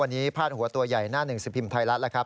วันนี้พลาดหัวตัวใหญ่หน้าหนึ่งสปิมไทยละครับ